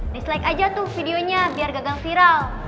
dislike aja tuh videonya biar gagal viral